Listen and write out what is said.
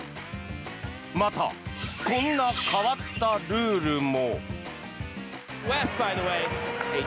また、こんな変わったルールも。